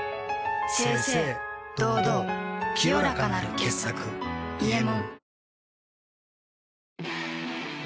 清々堂々清らかなる傑作「伊右衛門」